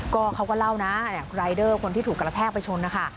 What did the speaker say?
ก็เขาก็เล่านะรายเดอร์คนที่ถูกกระแทกไปชนนะคะ